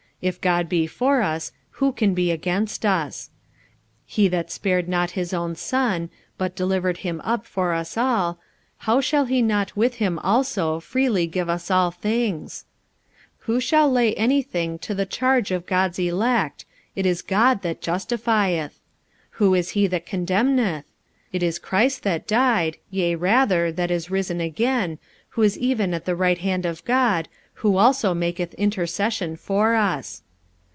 If God be for us, who can be against us? 45:008:032 He that spared not his own Son, but delivered him up for us all, how shall he not with him also freely give us all things? 45:008:033 Who shall lay any thing to the charge of God's elect? It is God that justifieth. 45:008:034 Who is he that condemneth? It is Christ that died, yea rather, that is risen again, who is even at the right hand of God, who also maketh intercession for us.